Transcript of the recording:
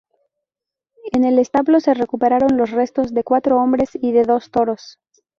En el establo se recuperaron los restos de cuatro hombres y de dos toros.